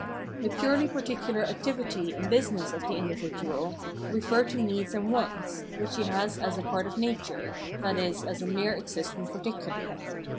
The purely particular activity and business of the individual refer to needs and wants, which he has as a part of nature, i.e. as a mere existent particular.